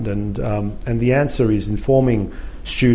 jawabannya adalah mengasihkan kemampuan kemampuan kemampuan